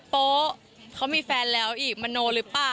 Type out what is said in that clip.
โป๊เขามีแฟนแล้วอีกมโนหรือเปล่า